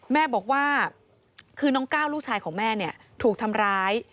แม่บอกว่าคือน้องก้าวลูกชายของแม่เนี่ยถูกทำร้าย